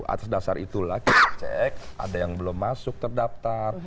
atas dasar itulah kita cek ada yang belum masuk terdaftar